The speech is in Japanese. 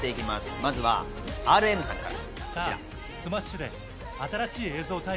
まずはＲＭさんから。